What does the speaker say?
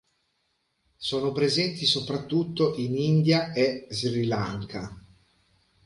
Sono presenti soprattutto in India e Sri Lanka.